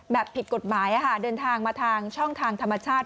ผิดกฎหมายเดินทางมาทางช่องทางธรรมชาติ